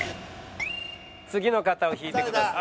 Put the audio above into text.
次の方を引いてください。